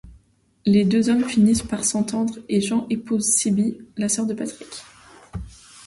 Les deux hommes finissent par s'entendre, et Jean épouse Sibylle, la sœur de Patrick.